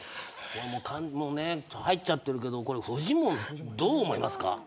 もうね入っちゃってるけどフジモンどう思いますか？